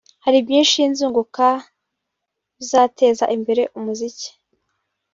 hari byinshi nzunguka bizateza imbere umuziki